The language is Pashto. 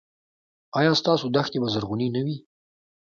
ایا ستاسو دښتې به زرغونې نه وي؟